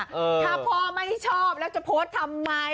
ถ้าพ่อไม่ชอบแล้วจะโพสต์ทำไม